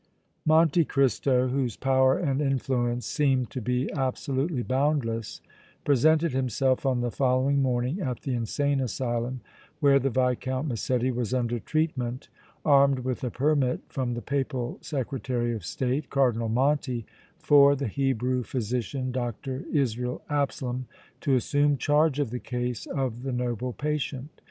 Monte Cristo, whose power and influence seemed to be absolutely boundless, presented himself on the following morning at the insane asylum where the Viscount Massetti was under treatment armed with a permit from the Papal Secretary of State, Cardinal Monti, for the Hebrew physician, Dr. Israel Absalom, to assume charge of the case of the noble patient.